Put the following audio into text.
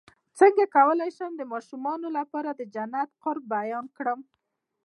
څنګه کولی شم د ماشومانو لپاره د جنت د قرب بیان کړم